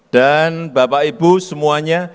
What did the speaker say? dan bapak ibu semuanya